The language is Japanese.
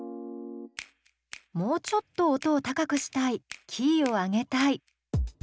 もうちょっと音を高くしたいキーを上げたい。